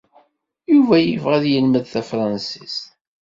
Yuba yebɣa ad yelmed tafṛensist.